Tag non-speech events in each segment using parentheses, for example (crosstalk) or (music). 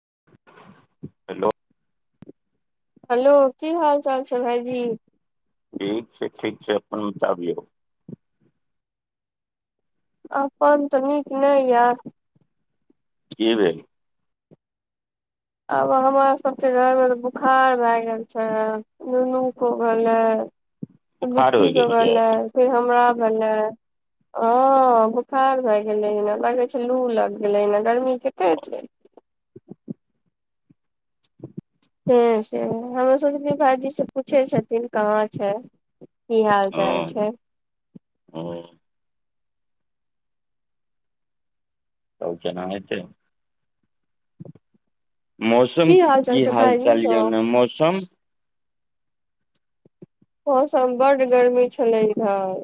(inaudible) Hello hello की हाल चाल छैय भाईजी? ठीक छैय ठीक छैय अपन बताबियौ। अपन तऽ नीक नहि य। कि भेल? आब हमरा सभके घरमे तऽ बुखार लागल छैय नुनूक भेलै। बोखार होइ बुच्चीके गेल यै भेलै फेर हमरा भेलै। हँ बुखार भए गेलै ह लगै छैय लू लैग गेलै गर्मी कतेक छैय। (inaudible) (inaudible) ह से हमरा भाायजी से पूछै छथिन कहाँ छैय? की हाल चाल हँ छैय? हँ तब केना हेतै? मौसम की क हाल चाल कि छै हाल भाईजी चाल यौ य ने मौसम? मौसम बड् गर्मी छलै इधर।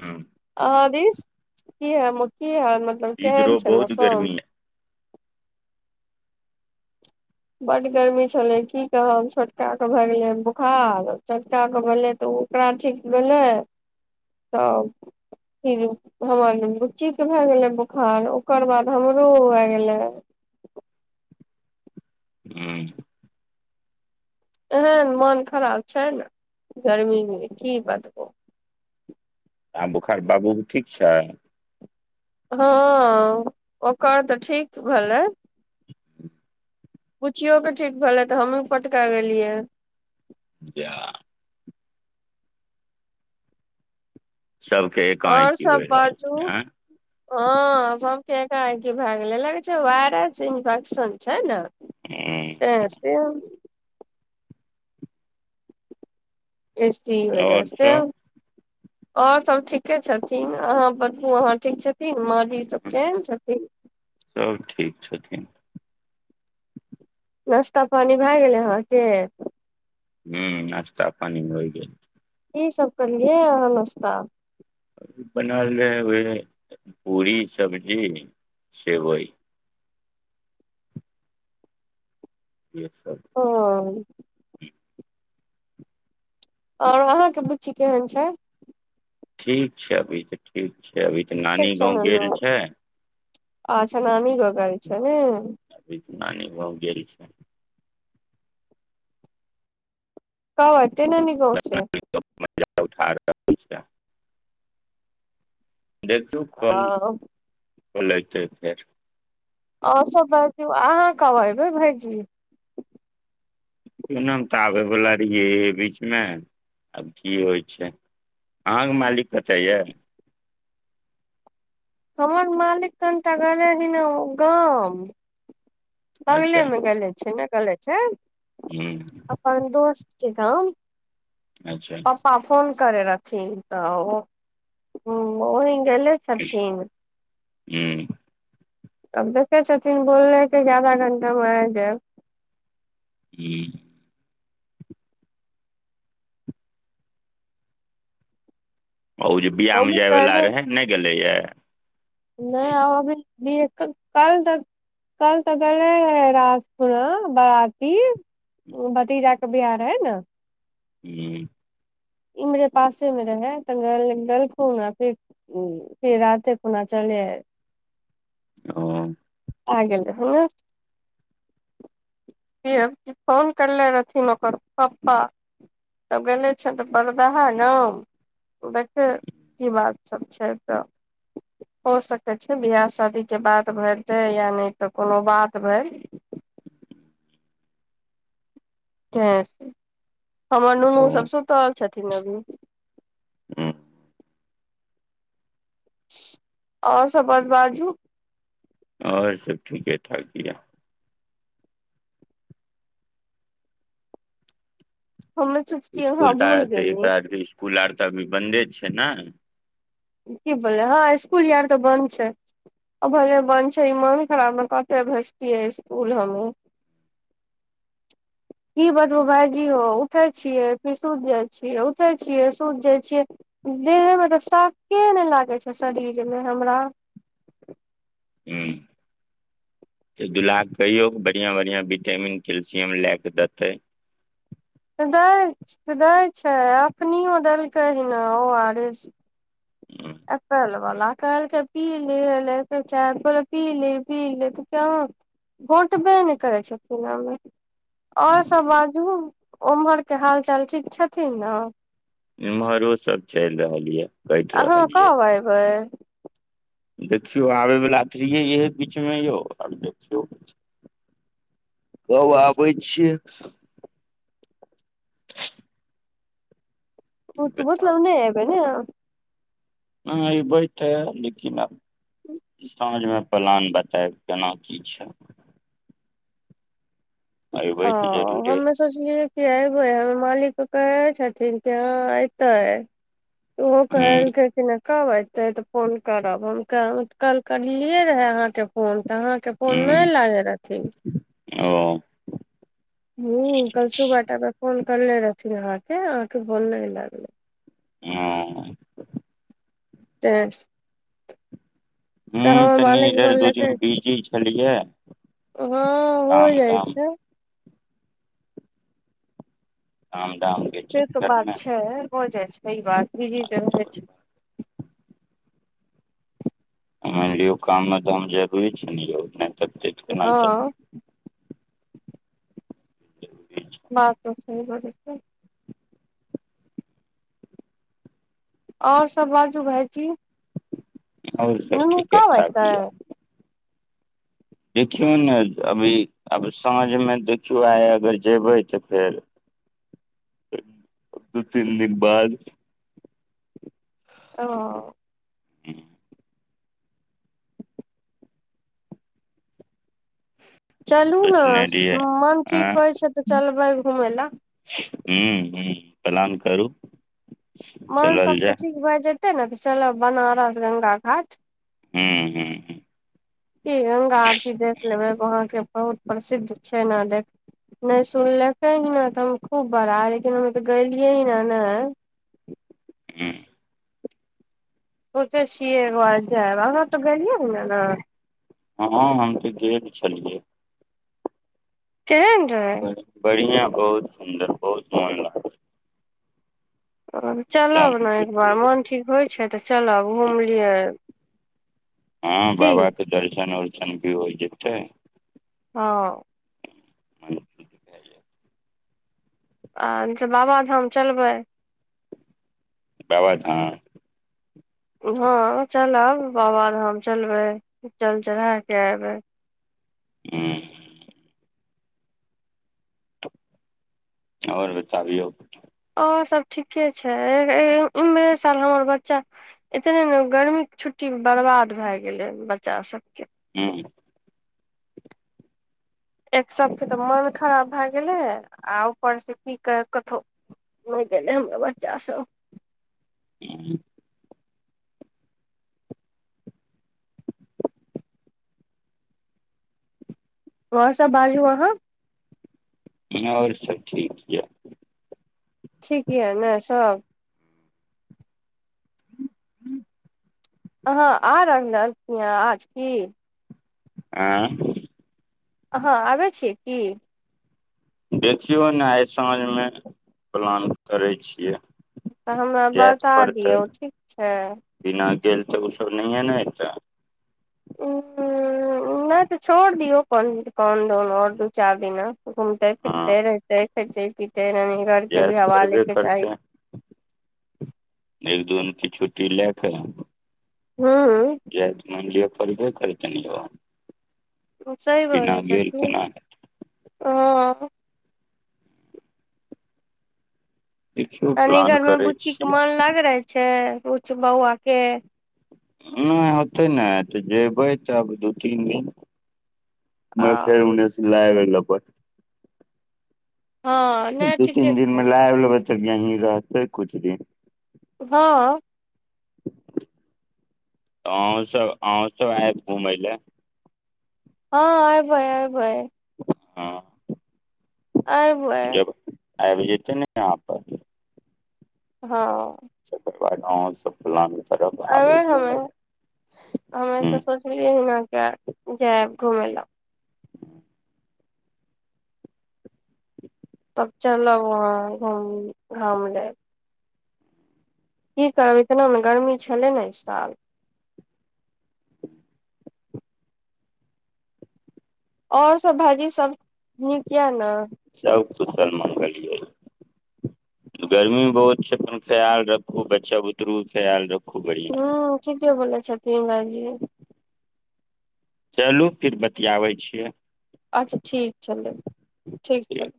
हँ ह दीश की हा की हाल मतलब केहन इधरो छ बहुत मौसम? गर्मी यै बड्ड गर्मी छलै की कहब छोटके भए गेलै बोखार छोटकाे भेलै तऽ ओकरा ठीक भेलै तब फेर हमर बुच्चीके भए गेलै बोखार ओकर बाद हमरो भय गेलै (inaudible) हूँ हैन मोन खराब छनि गर्मी मे की बात कहुँ। आ बोखार बाबू क ठीक छैय। हँ ओकर तऽ ठीक भेलै। पुछियोकेऽ ठीक भेलै तऽ हमहूँ पटका गेलियै। जा सबके आओर एकाएकी होइ सब रहल छै बाजू आँय हँ सब एकाएक भए गेलै लगै छैय वायरस छैय इन्फेक्शन छैय ने हूँ त से एसी वजह आओर से। सब और सब ठीके छथिन अहाँ बजियो अहाँं ठीक छि? मजी सब हूं, केहेन छथिन? सब ठीक छथिन नाश्ता पानि भए गेलै अहाँके? पानि मोर गेल की सब करलियै अहाँनस्ता बनाल नै आवै य पूरी सब्जी सेवइ इहे सब हँ और अहाँके बुच्ची केहन छै ठीक छै अभी तऽ ठीक छै अभी तऽ ठीक नानी छै गाँव ननू गेल छै अच्छा नानी गाँव गैल छै नै नानी‌ गाँव गेल छैय कब एतै ननी गाँव से (unintelligible) देखू कल कल ऐतै फेर आओर सभ बाजू अहाँ कब अयबै भैईजी एनाम तऽ आबयवला रहियै बीचमे आब की होइ छै अहाँक मालिक कतय यए हमर मालिक कनीटा गेलै ही नै गाम (inaudible) बगले अच्छा मे गेले छै ने गले छै हूँ अपन दोस्त के गाम अच्छा हूँ पपा फोन करै रहथिन तऽ ओहि केने छलखिन हुं आब देखै छथिन बोल लकै जे आधा घण्टामे आइब जायब हूं ओ जे बिया मे हमहु जाय वाला कहले रहे नइ गेले ये नहि हम अभी ये कल तक कल तऽ गले रहे ह राजपुरा बारती भतीजा क बियाह रहे नऽ हू ई मेे पासे मे रहे तऽ गल गलखून फिर उ फिर राते खुना चल (unintelligible) ओ आ गेल हू ना पीर फौन करले रहथिन ओकर पपा तब गेले छैथ तऽ परदाहा न देखै की बात सब छै तऽ हो सकै छै बिहा शादी के बाद भरि छै या नैय तऽ कोनो बात भेल त (inaudible) हमर नूनू ओ सब शूतल छथिन अभी हूँ आओर सब (inaudible) बाजू आओर सब ठीके ठाक या हमे सोचतियै अहाँ इसकुल भूल तऽ गेलियै एकरा इसकुल आर तऽ अभी बन्दे छै न की बोलै हँ स्कूल यर तऽ बन्द छै ओ भले बन्द छै मन खराब मे कते भेजतियै इसकुल हम (inaudible) की बतबू भाइजी यौ उठै छियै फी सुत जाइ छियै उठै छियै सूत जाइ छियै देहेमे तऽ शाके नइ लागै छै शरीरमे हमरा हू तऽ दुलाक कहियो बढ़िआँ बढ़िआँ विटामिन कैल्सियम लए कऽ देतै दै दै छै अखनिओ देलकै हन ओ आर एस हुँ एल बला कहलके (inaudible) पी ले पी ले पी ले तू क्य हो घोटबे नइ करै छै पिनामे आओर सभ बाजू ओम्हरके हालचाल ठीक छथिन न एम्हरो सब चलि रहल ये आहां कब अएबै देखियौ आबयवला थिहैये बीचमे यौ आब देखियौ कब आबै छियै ओ ई तऽ मतलब नहि हेबै ने ह ई बैते लेकिन आब साझ मे प्लान बताएब केना की छैय अ तऽ जरूरे हममे सोचिलिए अयबै हमर मालिक कहे छथिन कि ह एऐतै त ओ (inaudible) हुँ कहल छै कि नहि कहब एऐते तऽ फोन करब हम कल (inaudible) करलियै रहे अहाँके फोन तऽ अहाँके फोन हुँ नैय लागे रहथिन ओ हां कल सुबह टामे फोन करने रहथिन अहाँके अहाँके फौन नहि लगलै ह (inaudible) तऽ ह तऽ हमर तनी मालिक रर दू (inaudible) दिन बोललकै बीजी छलियै हँ हो काम जाइ धाम छै हँ से त बात छै हो जाइ सही बात ज छै ह यो कामे काममे त हम जरूरी छै ने य नहि तऽ पेट केना हँ अ ह बात तऽ सही बड़ स आओर सब बाजु भाइ जी आओर सब ठीके ठाक छै देखियौ ने अभी अब साँझमे देखियौ आइ अगर जेबै तऽ फेर दू तीन दिन बाद ओ ह चलू ने सोचने रहियै मन ठीक आँय होइ छै तऽ चलबै घुमय लऽ ह ह प्लान करू मन चलल सभके जाय ठीक भए जेतै ने तऽ चलब बनारस गंगा घाट। ह्म हँ ह ई गंगा आथी देख लेबै वहाँके बहुत प्रसिद्ध छैय ने देख नहि सुनलकै ह ने तऽ हम खूब बड़ा लेकिन हममे तऽ गेलियै ह ने नहि ह ह ओते छियै बाद जायब अहाँ तऽ गेलियै ने ने ने हँ हम तऽ गेल छलियै केहन रहै बढ़िआं बहुत सुन्दर बहुत मोन लागत चलब ने एकबार बुझियौ मोन ठीक होइ छै तऽ चलब घूमलियै हँ बाबाके दर्शन उर्शन भी होइ जतै हँ म आ तऽ बाबाधाम चलबै बाबाधाम हँ चलब बाबाधाम चलबैचल चढ़ा कऽ अयबै ह्म आओर बताबियौ सब ठीके छैय इमहरे साल हमर बच्चा एतने ने गर्मी के छुट्टी बर्बाद भए गेलै बच्चा सबके हँ एक सप्त तऽ मोन खराब भए गेलै आ ऊपर से पी कऽ कतहु नहि गेलै हमरा बच्चाा सब। हूँ आओर सब बाजू अहाँ। आओर सब ठीक य। ठीक य ने सब? (unintelligible) अहाँ आ रहल छिय आज की? आँ हाँ आबै छी की? देखियौ ने आइ साँझमे प्लान करै छियै। तऽ हमरा जायत बता पड़तै दियौ ठीक छै बिना गेल तऽ उ सब नहि न अबिता। हूँ नहि तऽ छोड़ दियौ पन आओर दू चार दिना। घूमते हँ फिरते रहतेै खेते पीते। (unintelligible) के जाय भी तऽ हवा पड़बे लेके चाही। करतै एक दोन क छुटी ले कऽ हूँ (unintelligible) सही बिना बोलै गेल छथींन केना हेतै हँ। देखियौ आनि प्लान घर मे करै बुच्ची के छियै मोन लाग रहे छैय कछु बौआ के? नै होतै ने तऽ जयबै तब दू तीन दिन आ (unintelligible) हँ नहि दू तीन ठीके दिनमे कहलियै लय लेबै तऽ यहीं रहतै कुछ दिन। हँ आहों सब आहों सब आयब घुमय लए। हँ अइबै अइबै। हँ आइबय आइब जेतय ने कहाँ पर हँ चककरवा गांव सब फला अबे हमे हमे लए तऽ हूँ सोचलियै ह ने जायब घुमय ला। तब चलब वहाँ घूम घाम लेब। की करब इतना ने गरमी छलै ने इ साल ओर सब भाइजी सब नीक या ने? सब कुशल मंगल यैय। गर्मी बहुत छैय अपन ख्याल रखो बच्चा बुतरु ख्याल रखु। हू ठीके बोलय छथिन भाई जी। चलू फिर बतियाबै छियै। अच्छा ठीक चलै ठीक छैय।